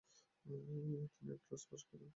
তিনি entrance pass করেন।